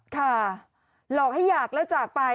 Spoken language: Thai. หลอกให้อยากแล้วจากไป